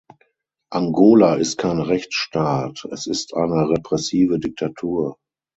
Angola ist kein Rechtsstaat, es ist eine repressive Diktatur.